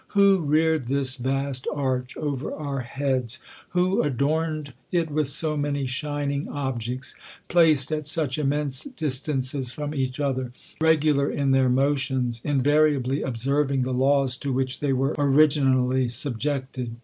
Who reared this vast arch over our heads? Who adorned it with so many shining objects, placed at such immense distances from each other, regular in their motions, invariably observing the laws to which they were originally subjected?